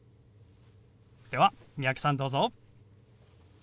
では三宅さんどうぞ。